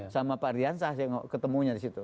sama pak diansah saya ketemunya di situ